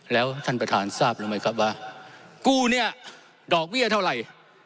แล้วท่านประธานทราบรู้ไหมครับว่ากู้เนี่ยดอกเบี้ยเท่าไหร่